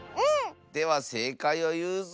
ではせいかいをいうぞ！